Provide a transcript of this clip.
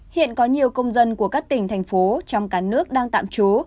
hiện có nhiều công dân của các tỉnh thành phố trong cả nước đang tạm trú